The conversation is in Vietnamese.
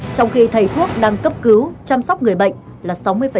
trong khi thầy thuốc đang cấp cứu chăm sóc người bệnh là sáu mươi